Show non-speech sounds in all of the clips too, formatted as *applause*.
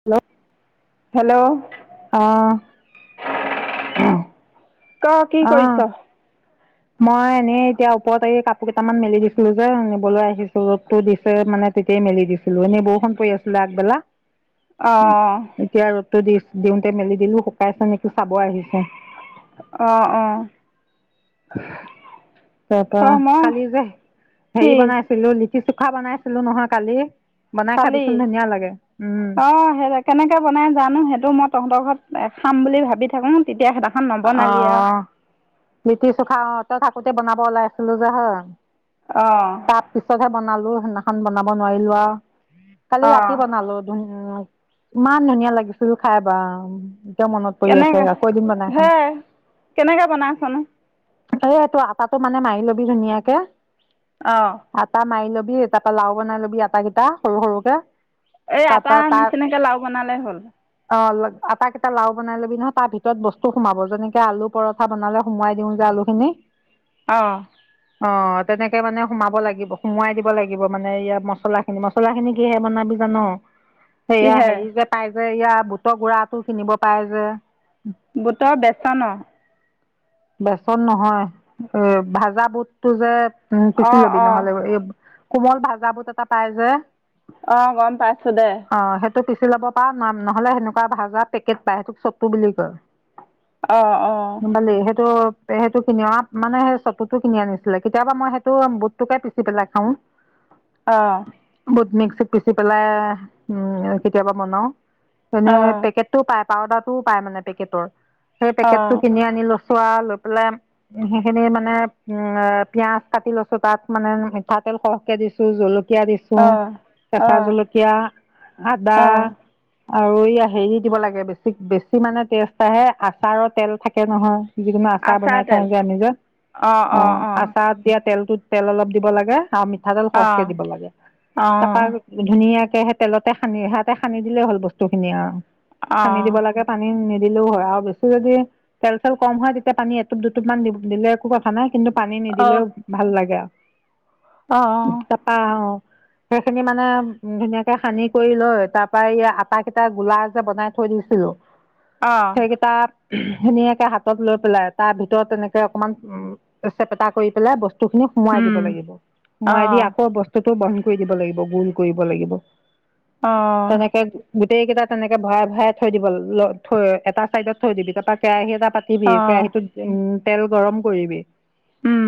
Hello hello অহ ক কি কৰিছ মই এনেই এতিয়া ওপতে এই কাপোৰ কেইটামান মেলি দিছিলো যে নিবলৈ আহিছো ৰদো দিছে মানে তেতিয়াই মেলি দিছিলো এনেই বৰষুণ পৰি আছিলে আগবেলা অ উ এতিয়া ৰদতো দিছে দিওঁতে মেলি দিলো শুকাইচে নেকি চাব আহি হে অহ অ হুমহ তাৰ পৰা অ মই কালি যে কি হেৰি বনাইছিলো লি তি চুখা বনাইছিলো নহয় কালি বনাই কালি খাবিচোন ধুনীয়া লাগে উম অ সেই কেনেকে বনাই জানো সেইটো মই তহঁতৰ ঘৰত খাম বুলি ভাবি থাকো তেতিয়া সে অ মিতি চুখা অ টা থাক তে বনাব ওলাই আছিলো যে হ অ তাৰ পিছতহে বনালো সেইদিনা খন বনা ব নোৱাৰিলোঁ আৰু কালি অ ৰাতি বনালো ধুন ইমান ধুনীয়া লাগিছিল খাই বা ক মনত পৰি আছে কেনেকে আ কৌ এ দিন বনাই হে খাম কেনেকে বনাইছ নু এই এইটো আটাটো মানে মাৰি লবি ধুনীয়াকে অ আটা মাই ল বি তাপা লাও বনাই ল'বি আটা কেইটা সৰু সৰুকে এই আটা তাৰপা তাৰ নিচিনাকে লাও বনালে হ'ল আটা কেইটা লাও বনাই লবি নয়য় তাৰ ভিতৰত বস্তু সোমাব যেনেকে আলু পৰঠা বনালে সোমোৱাই দিওঁ যে আলুখিনি অঁ অ তেনেকে মানে সোমাব লাগিব সোমোৱাই দিব লাগিব মানে ইয়াত মছলা খিনি মছলা খিনি কিহে বনাবি জান সেয়া কিহে হেৰি যে পাই যে ইয়াৰ বুটৰ গু়ৰাটো কিনিব পাই যে বোতৰ বেচ তান বেচন নহয় এ ভাজা বুটতটো যে উম অ পিচি লবি অ নহ'লে এই কোমল ভাজাবুট এটা পাই যে অহ গম পাইছো দে অ সেইটো পিচি ল'ব পা নাম নহলে সেনেকুৱা ভাজা পেকেট পায় সেইটোক চকু বুলি কয় অঁ, অঁ সেইটো কিনিওৱা মানে সেই চতুটো কিনি আনিছিলে কেতিয়াবা মই সেইটো বুটটোকে পিচি পেলাই খাও অঁ মিক্সিত পিচি পেলাই উম কেতিয়াবা বনাও মানে অ পেকেটটো পাই পাউদাৰ টোও পায় মানে পেকেটৰ সেই পেকেটটো অ কিনি আনি লো চোৱা লৈ পেলাই, সেইখিনি মানে উম, পিয়াজ কাটি লৈছো তাত মানে মিঠাতেল সৰহকে দিছো জলক। জলকীয়া দিছো, অঁ কেঁচা অঁ জলকীয়া, আদা। অঁ আৰু ইয়া হেৰি দিব লাগে, বেছি বেছি মানে টেষ্ট আহে আচাৰৰ তেল থাকে নহয়। যিকোনো আচাৰ বনাই থওঁ যে আমি যে। অঁ অ অঁ অঁ আচাৰত দিয়া তেলটো। তেল অলপ দিব লাগে। আৰু মিঠাতেল সহকে দিব অঁ লাগে, অঁ অঁ তাৰপা ধুনীয়াকে। হে হে তেলতে সানি সাতে সানি দিলে হ'ল বস্তু খিনি আও। সানি দিব লাগে পানী নিদ। *unintelligible* নিদিলেও হয় আও বেছিভাগেই তেল চেল। কম হয় তেতিয়া পানী এটোপ দুটু মান দিলে, একো কথা নাই। কিন্তু পানী অঁ অঁ নিদিলেও ভাল লাগে আও। অঁ অঁ অঁ অঁ তাপা অ। সেইখিনি মানে, উ ধুনীয়াকে সানি কৰি লৈ, তাৰ পৰা ই আট কেইটা গোলা যে বনাই থৈ দিছিলো। সেই কেইটাত। *unintelligible* ধুনীয়াকে হাত লৈ পেলাই তাৰ ভিতৰত এনেকে অকণমান উম, চেপেটা কৰি পেলাই বস্তু। বস্তু খিনি সুমুৱাই দিব লাগে। সুমুৱাই দি আকৌ বস্তু। বহল কৰি দিব লাগিব, গুল কৰিব লাগিব। আহঁ। তেনেকে গোটেই কেইটা তেনেকে ভৰাই, ভৰাই থৈ দিব ল থৈ এটা চাইডত থৈ দিবি তাৰপৰা কেৰাহী এটা। দিবি কেৰাহীটোত উম। তেল গৰম কৰিবি।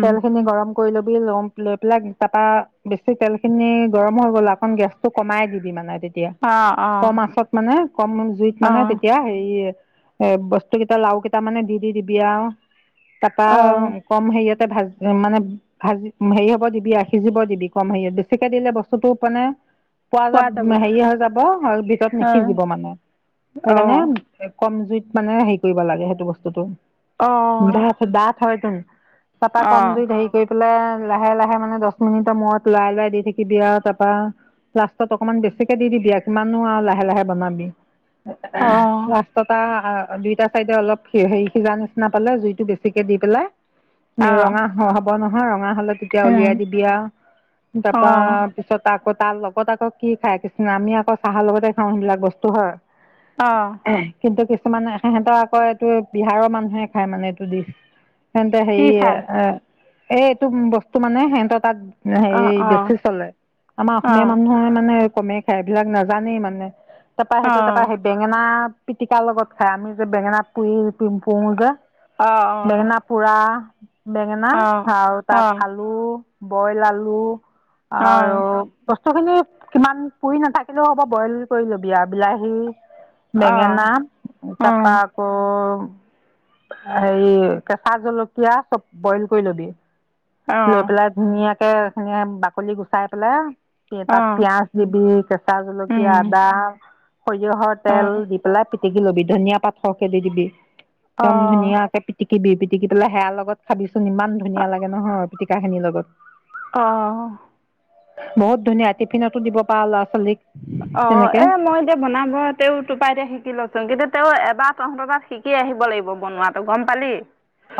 তেল খিনি গৰম। কৰি ল'বি ল'ম লৈ পেলাই তাৰাপা, বেছি তেল খিনি গৰম হৈ গ'ল আকণ গেছ টো কমাই দিবি মানে। তেতিয়া অঁ অঁ কম আচত মানে, কম জুইত মানে অঁ তেতিয়া হেই। এ বস্তুকেইটা লাও কেইটা মানে। দি দি দিবি আও। তাৰপা অঁ কম সেৰিয়ত। ভাজ মানে ভাজি হেৰি হ'ব দিবি আ, সিজিব দিবি কম হেৰি বেছিকে দিলে বস্তুটো মানে। পোৱা যা হেৰি হৈ যাব, আৰু ভিতৰত অঁ নিসিজিব মানে, অঁ সেইকাৰণে কম জুইত। মানে হেৰি কৰিব লাগে সেইটো বস্তু। অঁ বস্তুটো। দাঁ দাঁত হয় তোন। তাপা অঁ কম জুইত হেৰি কৰি পেলাই। লাহে লাহে মানে দশ মিনিটৰ মূৰত লৰাই লৰাই দি থাকিবি আৰু তাৰপৰা লাষ্টত অকমান বেছিকে দি দিবি আৰু কিমাননো আৰু লাহে লাহে বনাবি। অঁ এএআহ বাস্ততা। আ আ আ দুইটা চাইডে অলপ সেই হেৰি সিজাৰ নিচিনা পালে জুইটো বেছিকে দি পেলাই মে অঁ ৰঙা হ হ'ব ন। হা। হা হলে তেতিয়া উলিয়াই দিবি আৰু তাৰপৰা অঁ পিছত আকৌ তাৰ লগত আকৌ কি খাই কিছুমান আমি আকৌ চাহৰ লগতে খাওঁ সেইবিলাক বস্তু হয়। অঁ এ এহ্, কিন্তু কি কিছুমানে সেই সিহঁতৰ আকৈত তোৰ এই বিহাৰৰ মানুহে খাই মানে এইটো দিশ। *unintelligible* কি খাই এ-এইটো বস্তু মানে সিহঁতৰ তাত ন অঁ হেৰি অঁ বেছি চলে। আমাৰ অসমীয়া অঁ মানুহে মানে কমেই খায় এইবিলাক নাজানেই মানে। তাপা অঁ সেইটো তাপা সেই বেঙেনা পিটিকাৰ লগত খায় আমি যে বেঙেনাত পুৰি। পিম্পুঙো যে অঁ বেঙেনা পোৰা বেঙেনা অঁ অঁ আৰু তাত অঁ আলু বইল আলু আৰু অ', প্ এখিনিত কিমান পুৰি নাথাকিলেও হ'ব বইল কৰি ল'বি আৰু বিলাহী বেঙেনা, অ', অ', তাপাপ অ', হেৰি কেঁচা জলকীয়া চব বইল কৰি ল'বি। লৈ অ', পেলাই ধুনীয়াক তেলখিনিএ বাকলি গুচাই পেলাই তে তাত পিয়াঁজ দিবি, কেঁচা জলকীয়া উম, আদা সৰিয়হৰ তেল অ', দি পেলাই পিটিকি লবি, ধনীয়া পাত সকে দি দিবি। অ', একদম অ', ধুনীয়াকে পিটিক কিৱি, পিটিকি পেলাই সেয়াৰ লগত খাবি চো চোন, ইমান ধুনীয়া লাগে নহয়। পিটিকাখিনিৰ লগত। অ বহুত ধুনীয়া টিফিনতো দিব পাৱ ল'ৱা-ছোৱালীক। অ এ মই এতিয়া বনাব তেওঁ তোপা এতিয়া শিকি লচোং কিন্তু তেও এবাৰ তহঁত তাত শিকি আহিব লাগিব বনোৱাটো গম পালি?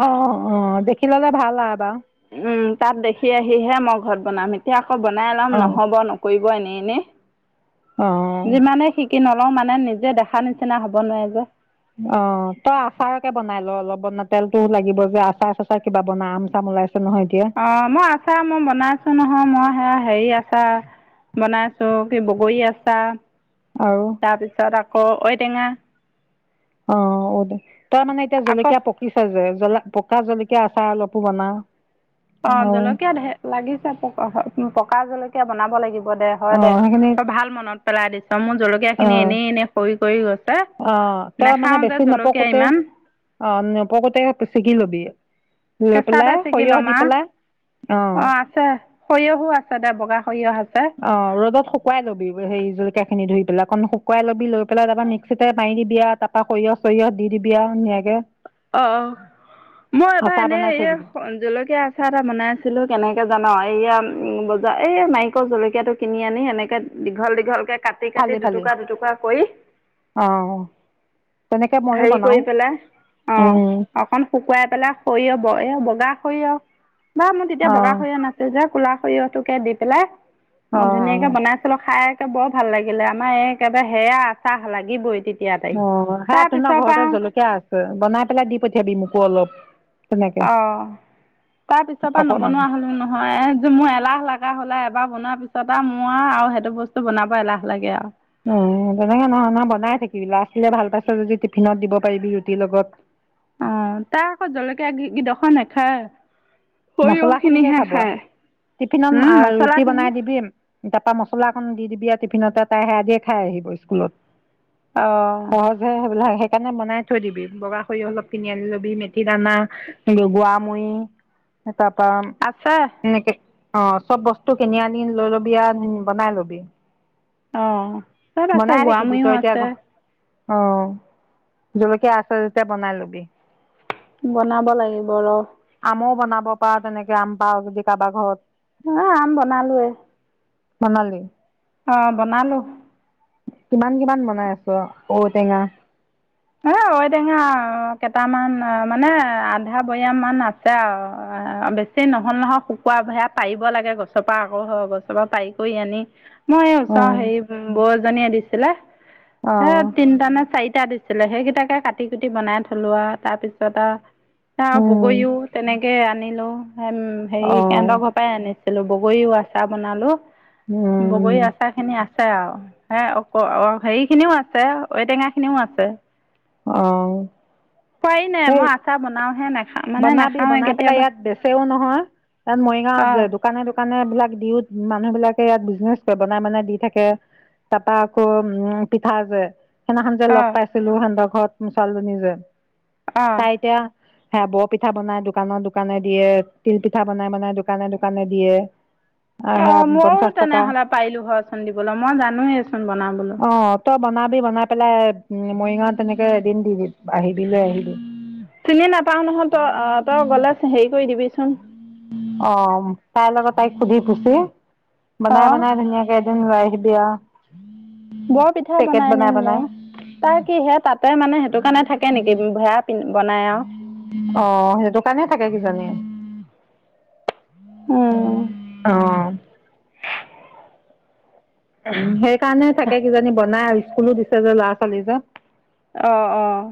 অ অ অ দেখি ললে ভাল আও এবাৰ। উ, তাত দেখি আহিহে মই ঘৰত বনাম এতিয়া আকৌ বনাই লম অ নহ'ব নকৰি কোৱা এনেনে? অ কি নলও মানে নিজে দেখা নিচিনা হব নোৱাৰে যে। অ তই আচাৰকে বনাই ল অলপ বনা তেলতো লাগিব যে আচাৰ-চাচাৰ কিবা বনা আম-চাম ওলাইছে নহয় এতিয়া অ মই আচা মই বনাইছো নহয় মই হেৰি আচা বনাইছো কি বগৰী আচা আৰু তাৰপিছত আক ক ঐ টেঙা অ দে তই মানে এতিয়া আকৌ জলকীয়া পকিছে যে জলা কা জলকীয়া আচাৰ অলপো বনা অ আৰু জলকীয়া ঢেৰ লাগিছে পকা হ প পকা জলকীয়া বনাব লাগিব হব দে হয় অ দে সেইখিনি তই ভাল মনত পেলাই দিছ মোৰ জলকীয়া অ খিনি এনেই এনেই সৰি কৰি গৈছে অ তই মানে নাখাও যে বেছি জলকীয়া নপকোতে ইমান অ নপকোতে ছিগি ল'বি লৈ কেঁচাটে পেলাই ছিগি সৰিয়হ লম দি আও পেলাই অ আছে সৰিয়হো আছে দে বগা সৰিয়হ আছে অ ৰ'দত শুকুৱাই লবি সেই জলকীয়া খিনি ধুই পেলাই অকন শুকুৱাই ল'বি লৈ পেলাই তাৰপা মিক্সিতে মাৰি দিবি আও তাৰপৰা সৰিয়হ চৰিয়হ দি দিবি আও ধুনীয়াকে অ অ মই এবাৰ আচাৰ এনে বনাই এই থৈ দিবি জলকীয়া আচাৰ এটা বনাই আছিলো কেনেকে জান এইয়া উম বজাৰ এই মাৰিক জলকীয়াটো কিনি আনি এনেকে দীঘল দীঘলকে কাটি ফালি কাটি ফালি দুটুকা দুটুকা কৰি অ তেনেকে ময়ো হেৰি বনাও কৰি পেলাই অ উম অকন শুকুৱাই পেলাই সৰিয়হ এয়া বগা সৰিয়হ বা মোৰ তেতিয়া অ বগা সৰিয়হ নাছিল যে কোলা সৰিয়হটোকে দি পেলাই অ ধুনীয়াকে বনাইছিলো খাই বৰ ভাল লাগিলে আমাৰ এই একেবাৰে সেয়া আচাহ লাগিবই তেতিয়া তাইক অ তাৰ হিয়াত তোমাৰ পিছৰ পৰা ঘৰতে জলকীয়া আছে বনাই পেলাই দি পঠিয়াবি মোকো অলপ। তেনেকে অ তাৰ পিছৰ পৰা অকমান নবনোৱা হলো নহয় এ মোৰ এলাহ লাগে। এনে হ'লে এবাৰ বনোৱাৰ পিছত আৰু মোৰ আৰু সেইটো বস্তু বনাব এলাহ লাগে আৰু উ তেনেকে নহয় নহ বনাই থাকিবি ল'ৰা ছোৱালীয়ে ভাল পাইছে যদি টিফিনত দিব পাৰিবি ৰুটিৰ লগত। অ তাৰ আকৌ জলকীয়া কিদ খ নাখায়। সৰিয়হ মচলা খিনিকে খিনিহে খাব খায় টিফিনত উম মছলা ৰুটি খিনি বনাই দিবি। তাৰাপা মছলা এখন দি দিবি টিফিনতে তাই সে আজিয়ে খাই আহিব স্কুলত। অ সহজে সেই বিলাকহে। সেই কাৰনে বনাই থৈ দিবি বগা খৰি অলপ কিনি আনি লবি মেঠি দানা লগোৱা মুৰি তাপা আছে এনেকে অ চব বস্তু কিনি আনি লৈ ল'বি আ বনাই লবি। অহ। চব আছে বনাই থাকিবি গোৱামূৰিও তই এতিয়া আছে। অ জলকীয়া আছে যেতিয়া বনাই লবি। বনাব লাগিব ৰ। আমও বনাব পাৰ তেনেকে আম পাৱ যদি কাবা ঘৰত। হয় আম বনালোয়ে। বনালি? অ বনালো। কিমান কিমান বনাই আছ ঔটেঙা। এ ঔটেঙা কেইটামান মানে আধা বয়াম মান আছে আৰু বেছি নহল নহয় শুকোৱা হেয়া পাৰিব লাগে গছৰ পৰা আকৌ হয় গছৰ পৰা পাৰি কৰি আনি মই এয়া উচ অ হেৰি বজ। জনীয়ে দিছিলে। হে অ', তিনিটানে চাইট। তে ছিলে সেইকিটাকে কাটি কুটি বনাই থলোৱা তাৰপিছত আ চা উম, বগৰিও তেনেকে আন হেল্ল উম হেৰি অ', সেনতৰ ঘৰ পৰাই আনিছে। হেল্লও বগৰীও আচা বনালো। বগৰী উম, আচা খিনি আ আছে আৰু হে হেৰিখিনিও আছে ঔটেঙাখিনিও আছে। অ', খোৱাই নাই সেই মই আচাৰ বনাওহে নে বনাবি বনাই পেলে ইয়াত বেচেও নহয়, তাত মৰিগাঁওত অঁ য দোকানে দোকানে বিলাক দিও মানুহ বিলাকে ইয়াত বিজনেচ কৰে, বনাই বনাই দি থাকে, তাপা আকৌ পিঠা যে সিদনাখন যে লগ অঁ পাইছিলো সেনতৰ ঘৰত। মোৰ ছোৱালীজনী যে অঁ তাই এতিয়া সেয়া বৰ পিঠা বনাই দোকান দোকানে দিয়ে, তিল পিঠা বনাই বনাই দোকানে দোকানে দিয়ে। আহ অ সেয়া মইও পঞ্চাশ টকা তেনেহলে পাৰিলো হয় চোন দিবলৈ, মই জানোৱেচোন বনাবলৈ। অ তই বনাবি বনাই পেলাই মৰিগাঁওত তেনেকে এদিন দিবি - আহিবি লৈ আহিবি। চিনি নাপাও। নহয় তই অ তই গ'লে হেৰি কৰি দিবিচোন অ' তাইৰ লগত তাইক সুধি পুছি বনাই অঁ বনাই ধুনীয়াকে *unintelligible* বৰপিঠা বনাই আনিম মই। তাৰ কিহে তাতে মানে সেইটো কাৰণে থাকে নেকি *unintelligible* অ' সেইটো কাৰণে থাকে কিজানি। উম অঁ। *unintelligible* সেই কাৰণে থাকে কিজানি বনাই *unintelligible* স্কুলো দিছে যে ল'ৰা ছোৱালী যে অ' অ'।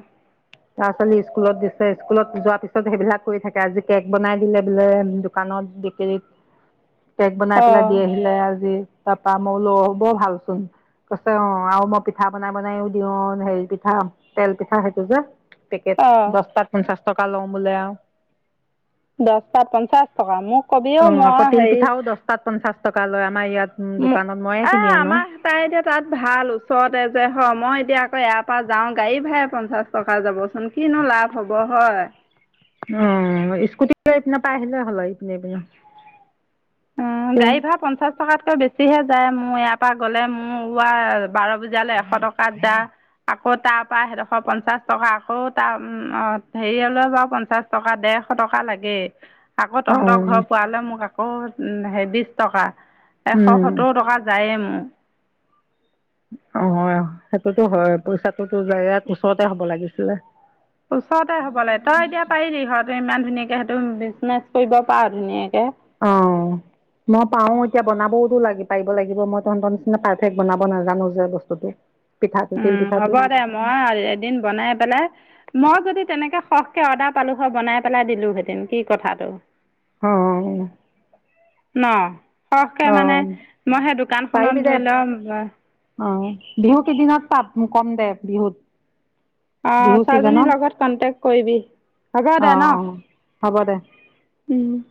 ল'ৰা ছোৱালী স্কুলত দিছে, স্কুলত যোৱাৰ পিছত সেইবিলাক কৰি থাকে, আজি কেক বনাই দিলে বোলে দোকানত, বেকেৰীত কেক বনাই অ পেলাই দি আহিলে আজি। তা পা মই বোলোঁ অ' বৰ ভালচোন, কৈছে অ' আৰু মই পিঠা বনাই বনাইও দিওঁ হেৰি পিঠা তেল পিঠা সেইটো যে পেকেট অ দচটাত পঞ্চাছ। টকা লওঁ বোলে আউ দচ তাত পঞ্চাশ টকা। মোক কবিও মই হেৰি টকালৈ আমাৰ ইয়াত দোকানত ময়ে *unintelligible* এ কিনি আনো। আমাৰ তাই এতিয়া তাত ভাল ওচৰতে যে হয়, মই এতিয়া *unintelligible* ইয়াৰ পৰা যাওঁ গাড়ী ভাৰাই পঞ্চাছ টকা যাবচোন কিনো লাভ হব হয়। অ' স্কুটি লৈ এইপিনৰ পা আহিলে হ'লহৈ ইপিনে ইপিনে অ' গাড়ী ভাৰা পঞ্চাছ টকাতকৈ বেছিহে তাই মোৰ ইয়াৰ পৰা গলে, মোৰ ওলোৱা বাৰ বজালে এশ টকাত যা, আকৌ তাৰ পৰা সেইডখৰ পঞ্চাশ টকা, আকৌ তাৰ হেৰি হলে বাৰু পঞ্চাশ টকা দেৰশ টকা লাগেই। আকৌ অ তহঁতৰ ঘৰ পোৱালৈ মোক আক। অ সেই বিশ টকা। এশ উম। সত্তৰ টকা যায়ে মোৰ। উ *inaudible* অ সেইটোতো হয়, পইচাটোতো যায়, ইয়াত ওচৰতে হব লাগিছিলে। ওচৰতে হব লাগে, তই এতিয়া পাৰিবি ঘৰতে ইমান ধুনীয়াকে সেইটো, বিজনেচ কৰিব পাৰ ধুনাকে। অ মই পাওঁ। এতিয়া বনাবওটো লাগি পাৰিব লাগিব, মই তহঁতৰ নিচিনা পাৰফেক্ট বনাব নাজানো যে বস্তুতটো। উম হ'ব দে, মই এদিন বনাই পেলাই। মই যদি তেনেকে সহ কে অৰ্দাৰ পালো হয় বনাই পেলাই দিলো। হেতেন কি কথাটো। অ ন! সৰহকে অ মানে, মই সেই দোকানখনত পাৰিবি দে ধৰিল *inaudible* অ বিহু কেইদিনত পাব কম দে বিহুত। অ বিহু ছোৱালীজনীৰ ছিজনত লগত কণ্টেক্ট কৰিবি, হ'ব অ দে অ হ'ব দে ন।